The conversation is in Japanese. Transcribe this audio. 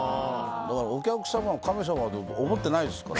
お客様は神様とか思ってないですから。